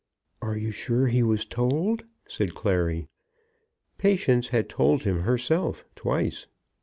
"Are you sure he was told?" said Clary. Patience had told him herself, twice.